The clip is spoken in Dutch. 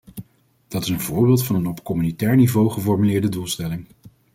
Dat is een voorbeeld van een op communautair niveau geformuleerde doelstelling.